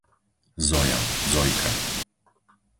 Zoja, Zojka